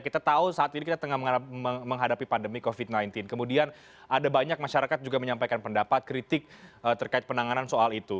kita tahu saat ini kita tengah menghadapi pandemi covid sembilan belas kemudian ada banyak masyarakat juga menyampaikan pendapat kritik terkait penanganan soal itu